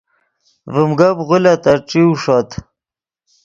ڤیم گپ غولیتت ݯیو ݰوت